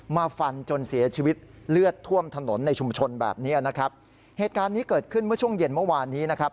มาฟันจนเสียชีวิตเลือดท่วมถนนในชุมชนแบบนี้นะครับเหตุการณ์นี้เกิดขึ้นเมื่อช่วงเย็นเมื่อวานนี้นะครับ